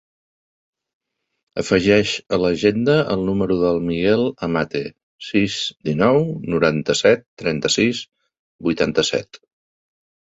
Afegeix a l'agenda el número del Miguel Amate: sis, dinou, noranta-set, trenta-sis, vuitanta-set.